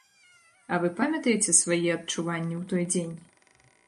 А вы памятаеце свае адчуванні ў той дзень?